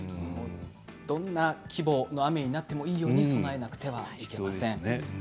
どんな規模の大雨になってもいいように備えなくてはなりません。